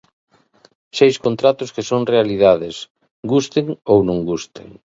Seis contratos que son realidades, gusten ou non gusten.